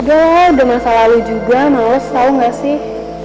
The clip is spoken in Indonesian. aduh udah masa lalu juga naus tau gak sih